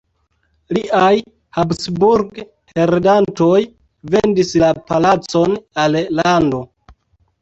Liaj Habsburg-heredantoj vendis la palacon al lando.